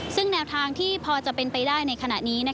ซึ่งแนวทางที่พอจะเป็นไปได้ในขณะนี้